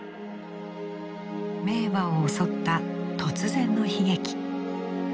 名馬を襲った突然の悲劇。